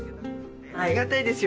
ありがたいですよ